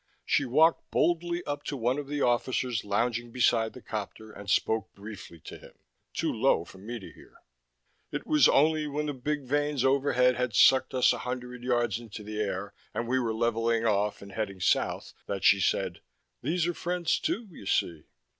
She walked boldly up to one of the officers lounging beside the copter and spoke briefly to him, too low for me to hear. It was only when the big vanes overhead had sucked us a hundred yards into the air, and we were leveling off and heading south, that she said: "These are friends too, you see.